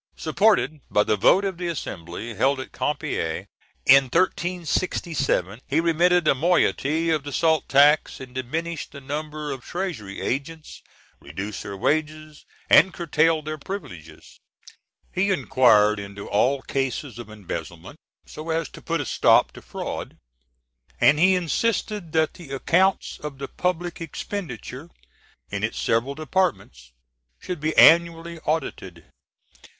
Supported by the vote of the Assembly held at Compiègne in 1367, he remitted a moiety of the salt tax and diminished the number of the treasury agents, reduced their wages, and curtailed their privileges. He inquired into all cases of embezzlement, so as to put a stop to fraud; and he insisted that the accounts of the public expenditure in its several departments should be annually audited.